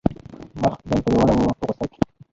مخ به یې ترې واړاوه په غوسه کې.